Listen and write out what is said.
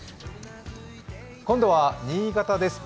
今度は新潟です。